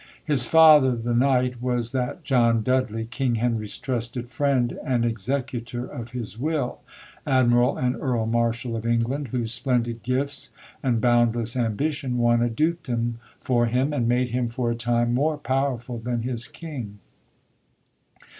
His father, the knight, was that John Dudley, King Henry's trusted friend and executor of his will, Admiral and Earl Marshal of England, whose splendid gifts and boundless ambition won a dukedom for him, and made him for a time more powerful than his King.